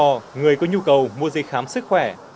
trong vai trò người có nhu cầu mua giấy khám sức khỏe